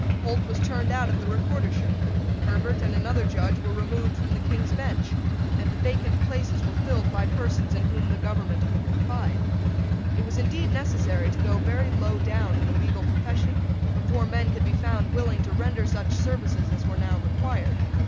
Holt was turned out of the recordership. Herbert and another Judge were removed from the King's Bench; and the vacant places were filled by persons in whom the government could confide. It was indeed necessary to go very low down in the legal profession before men could be found willing to render such services as were now required.